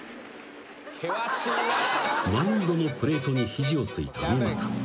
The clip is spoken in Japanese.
［マウンドのプレートに肘を突いた三又］